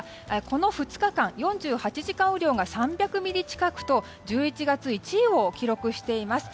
この２日間４８時間雨量が３００ミリ近くと１１月１位を記録しています。